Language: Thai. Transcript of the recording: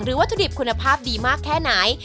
วัตถุดิบคุณภาพดีมากแค่ไหน